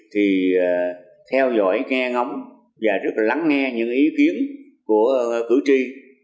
thì theo dõi nghe ngóng và rất là lắng nghe những ý kiến của cử tri